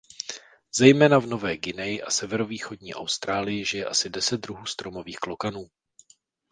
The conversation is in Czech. Zejména v Nové Guineji a severovýchodní Austrálii žije asi deset druhů stromových klokanů.